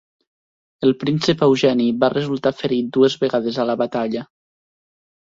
El príncep Eugeni va resultar ferit dues vegades a la batalla.